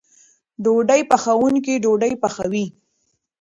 ډوډۍ پخوونکی ډوډۍ پخوي.